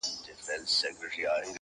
دریم لوری یې د ژوند نه دی لیدلی.!